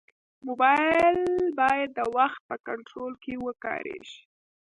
موبایل باید د وخت په کنټرول کې وکارېږي.